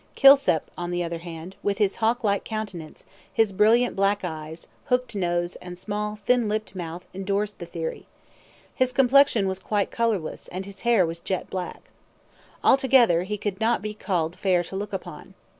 Kilsip, on the other hand, with his hawk like countenance, his brilliant black eyes, hooked nose, and small thin lipped mouth, endorsed the theory. His complexion was quite colourless, and his hair was jet black. Altogether, he could not be called fair to look upon.